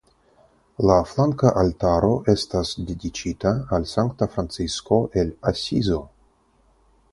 La flanka altaro estas dediĉita al Sankta Francisko el Asizo.